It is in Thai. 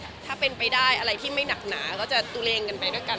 ใช่จากนี้ถ้าเป็นอะไรที่ไม่หนักหนาก็จะตู่เรนกันไปด้วยกัน